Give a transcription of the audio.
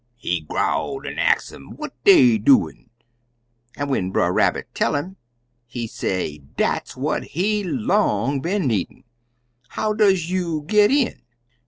He growl an' ax um what dey doin', an' when Brer Rabbit tell 'im, he say dat's what he long been needin'. 'How does you git in?'